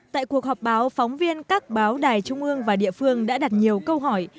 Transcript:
tại cuộc họp báo phóng viên các báo đài trung ương và địa phương đã đặt nhiều câu hỏi